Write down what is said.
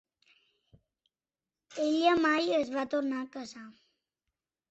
Ella mai es va tornar a casar.